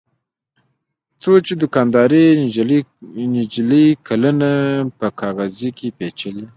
څو چې دوکاندارې نجلۍ کلنه په کاغذ کې پېچله.